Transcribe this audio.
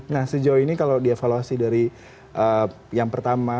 nah sejauh ini kalau dievaluasi dari yang pertama